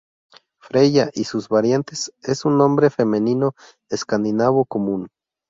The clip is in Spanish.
Freya y sus variantes es un nombre femenino escandinavo común.